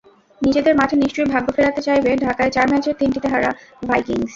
নিজেদের মাঠে নিশ্চয়ই ভাগ্য ফেরাতে চাইবে ঢাকায় চার ম্যাচের তিনটিতে হারা ভাইকিংস।